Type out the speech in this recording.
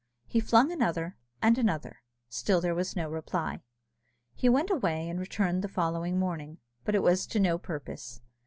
He flung another, and another, still there was no reply. He went away, and returned the following morning, but it was to no purpose.